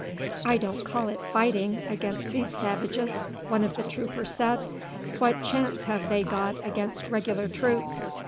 "I don't call it 'fighting' against these savages," one of the troopers said. "What chance have they got against regular troops?"